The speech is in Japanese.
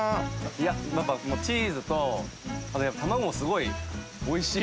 やっぱチーズとあと卵すごいおいしい！